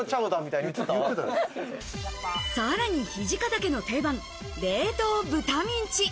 さらに土方家の定番・冷凍豚ミンチ。